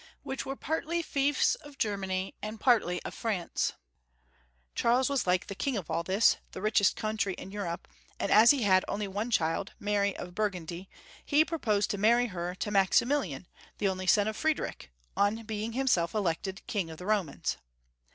which were partly fiefs of Ger many and partly of France ; Charles was like the king of all this, the richest country in Europe, and as he had only one child, Mary of Burgundy, he proposed to marry her to Maximilian, the only son of Friedrich, on being himself elected King of the Romans.